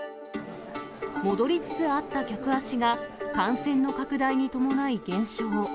戻りつつあった客足が、感染の拡大に伴い減少。